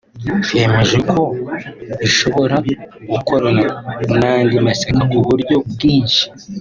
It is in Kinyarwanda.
hemejwe ko ishobora gukorana n’andi mashyaka ku buryo bwinshi